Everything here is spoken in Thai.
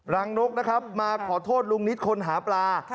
รังนกนะครับมาขอโทษลูกนิสธิ์คนหาปลา